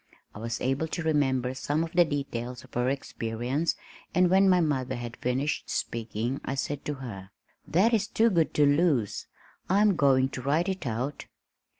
I was able to remember some of the details of her experience and when my mother had finished speaking I said to her, "That is too good to lose. I'm going to write it out."